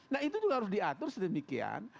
nah itu juga harus diatur sedemikian